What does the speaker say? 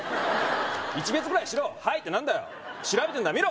一瞥ぐらいしろ「はい」って何だよ調べてんだ見ろ